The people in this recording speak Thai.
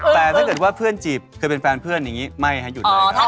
แต่ถ้าเกิดว่าเพื่อนจีบเคยเป็นแฟนเพื่อนอย่างนี้ไม่ให้หยุดเลยครับ